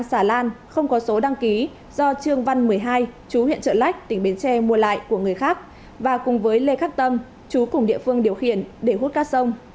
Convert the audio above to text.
xà lan không có số đăng ký do trương văn một mươi hai chú huyện trợ lách tỉnh bến tre mua lại của người khác và cùng với lê khắc tâm chú cùng địa phương điều khiển để hút cát sông